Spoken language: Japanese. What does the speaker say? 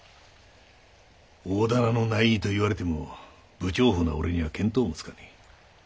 大店の内儀と言われても不調法な俺には見当もつかねえ。